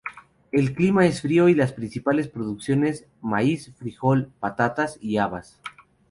El clima es frío y las principales producciones, maíz, frijol, patatas y habas.